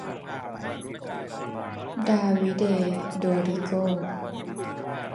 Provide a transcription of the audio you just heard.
ดาวิเด โดริโก้